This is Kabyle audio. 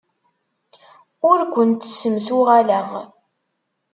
Ur kent-ssemsuɣaleɣ.